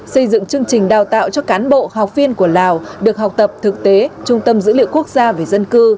xây dựng chương trình đào tạo cho cán bộ học viên của lào được học tập thực tế trung tâm dữ liệu quốc gia về dân cư